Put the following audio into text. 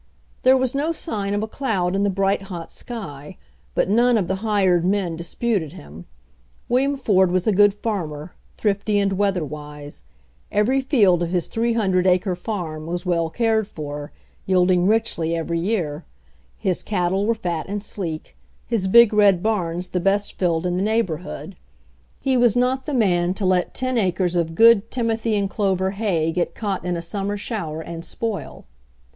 There was no sign of a cloud in the bright, hot sky, but none of the hired men disputed him. William Ford was a good farmer, thrifty and weather wise. Every field of his 300 acre farm was well cared for, yielding richly every year; his cattle were fat and sleek, his big red barns the best filled in the neighborhood. He was not the man to let ten acres of good timothy and 2 HENRY FORD'S OWN STORY clover hay get caught in a summer shower and spoil.